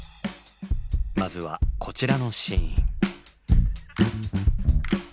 まずはこちらのシーン。